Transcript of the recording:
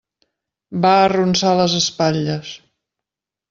Va arronsar les espatlles.